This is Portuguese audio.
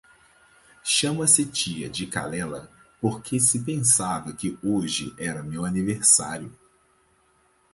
Chama-se tia de Calella porque se pensava que hoje era meu aniversário.